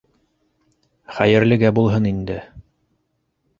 Хәйерлегә булһын инде.